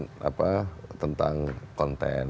tidak saya tidak mendepankan tentang konten